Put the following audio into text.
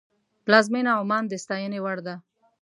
پلازمینه عمان د ستاینې وړ ده.